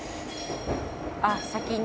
あっ先に。